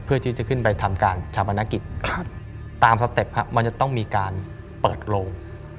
เพื่อที่จะขึ้นไปทำการชาปนกิจตามสเต็ปมันจะต้องมีการเปิดโลง